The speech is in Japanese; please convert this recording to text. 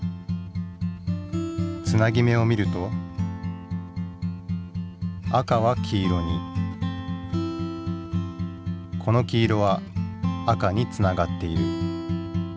つなぎ目を見ると赤は黄色にこの黄色は赤につながっている。